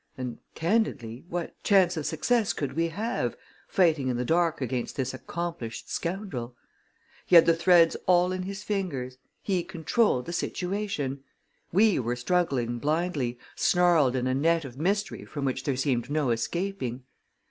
And, candidly, what chance of success could we have, fighting in the dark against this accomplished scoundrel? He had the threads all in his fingers, he controlled the situation; we were struggling blindly, snarled in a net of mystery from which there seemed no escaping.